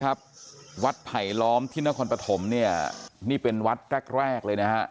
ครับวัดไผลล้อมที่นครปฐมเนี่ยนี่เป็นวัดแรกแรกเลยนะฮะ